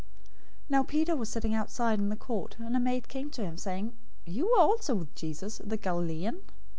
026:069 Now Peter was sitting outside in the court, and a maid came to him, saying, "You were also with Jesus, the Galilean!"